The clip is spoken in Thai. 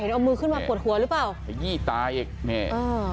เห็นเอามือขึ้นมาปวดหัวหรือเปล่าไอ้ยี่ตายเองเนี่ยอ่า